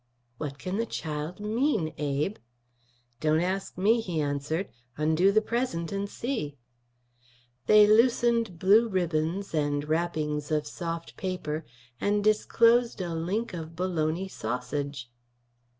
"What can the child mean, Abe?" "Don't ask me," he answered. "Undo the present and see." They loosened blue ribbons and wrappings of soft paper, and disclosed a link of bologna sausage.